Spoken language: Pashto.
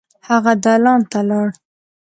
هغه دالان ته لاړ.